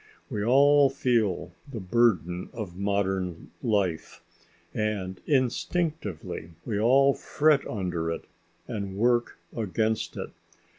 We all feel the burden of modern life, and instinctively we all fret under it and work against it.